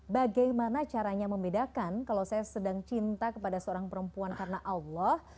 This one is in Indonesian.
bagaimana caranya membedakan kalau saya sedang cinta kepada seorang perempuan karena allah